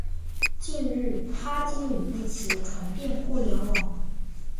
近日，哈基米一词传遍互联网。